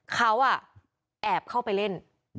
เขาแอบเข้าไปเล่น